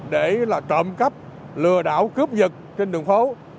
để trộm cắp lừa đảo cướp dịch trên đường phố